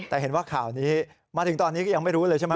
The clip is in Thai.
แต่เห็นว่าข่าวนี้มาถึงตอนนี้ก็ยังไม่รู้เลยใช่ไหม